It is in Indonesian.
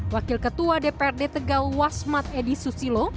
wakil ketua dprd tegal wasmat edi susilo